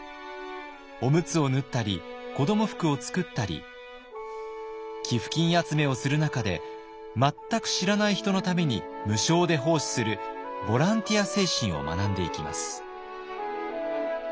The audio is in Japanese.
おむつを縫ったり子ども服を作ったり寄付金集めをする中で全く知らない人のために無償で奉仕するボランティア精神を学んでいきます。